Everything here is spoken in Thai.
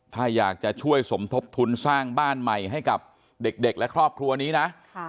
ถ้าอยากจะช่วยสมทบทุนสร้างบ้านใหม่ให้กับเด็กและครอบครัวนี้นะ